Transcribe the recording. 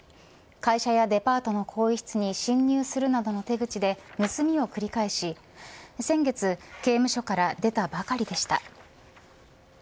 会社やデパートの更衣室に侵入するなどの手口で盗みを繰り返し先月刑務所から出たばかりでした。